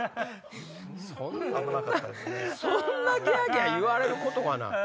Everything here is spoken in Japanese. そんなそんなギャギャ言われることかな。